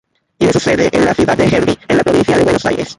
Tiene su sede en la ciudad de Gerli en la provincia de Buenos Aires.